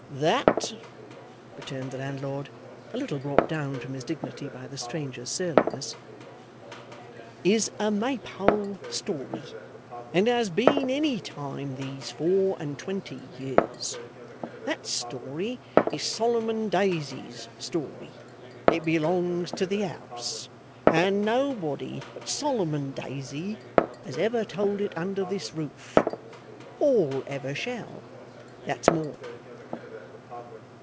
'That,' returned the landlord, a little brought down from his dignity by the stranger's surliness, 'is a Maypole story, and has been any time these four and twenty years. That story is Solomon Daisy's story. It belongs to the house; and nobody but Solomon Daisy has ever told it under this roof, or ever shall that's more.